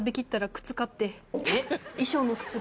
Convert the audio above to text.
えっ？